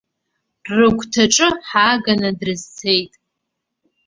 Рыгәҭаҿы ҳааганы дрызцеит.